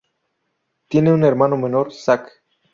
Tiene un hermano menor, Zac.